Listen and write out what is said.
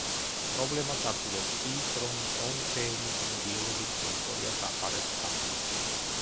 პრობლემას ართულებს ის, რომ ტომ ჩეინი ინდიელების ტერიტორიას აფარებს თავს.